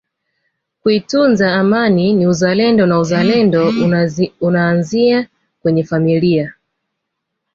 kuitunza Amani ni uzalendo na uzalendo unaanzia kwenye familia